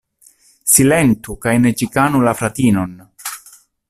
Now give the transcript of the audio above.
Silentu kaj ne ĉikanu la fratinon!